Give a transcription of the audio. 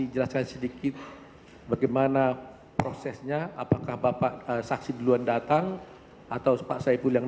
jadi sudah ada dulu dua orang